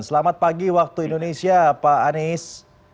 selamat pagi waktu indonesia pak anies